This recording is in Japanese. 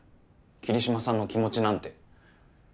桐島さんの気持ちなんて。